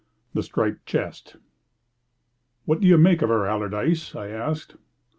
THE STRIPED CHEST "What do you make of her, Allardyce?" I asked.